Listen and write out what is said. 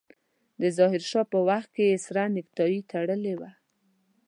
د ظاهر شاه په وخت کې يې سره نيکټايي تړلې وه.